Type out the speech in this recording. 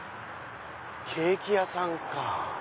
ケーキ屋さんか。